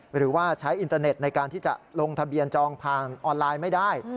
หรือว่าใช้อินเตอร์เน็ตในการที่จะลงทะเบียนจองผ่านออนไลน์ไม่ได้